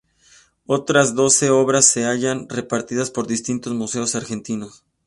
Otras doce obras se hallan repartidas por distintos museos argentinos.